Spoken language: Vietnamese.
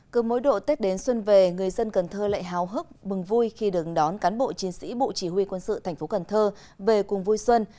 cứ mỗi độ tết đến xuân về người dân cần thơ lại hào hức bừng vui khi được đón cán bộ chiến sĩ bộ chỉ huy quân sự thành phố cần thơ về cùng vui xuân